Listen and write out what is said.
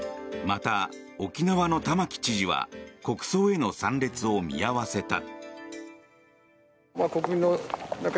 また、沖縄の玉城知事は国葬への参列を見合わせた。